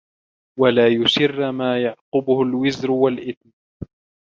وَلَا يُسِرَّ مَا يَعْقُبُهُ الْوِزْرُ وَالْإِثْمُ